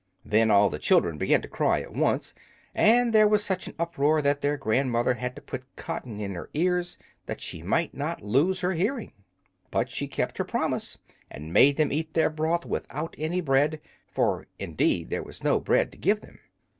Then all the children began to cry at once, and there was such an uproar that their grandmother had to put cotton in her ears that she might not lose her hearing. But she kept her promise, and made them eat their broth without any bread; for, indeed, there was no bread to give them.